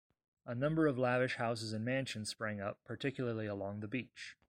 A number of lavish houses and mansions sprang up, particularly along the beach.